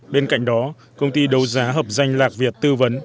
bên cạnh đó công ty đấu giá hợp danh lạc việt tư vấn